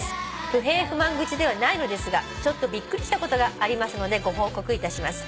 「不平不満愚痴ではないのですがちょっとびっくりしたことがありますのでご報告いたします」